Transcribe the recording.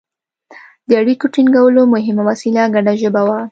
د اړیکو ټینګولو مهمه وسیله ګډه ژبه وه